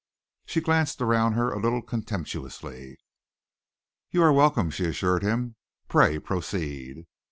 She glanced around her a little contemptuously. "You are welcome," she assured him. "Pray proceed."